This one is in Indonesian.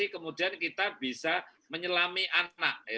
karena kita bisa menjelami anak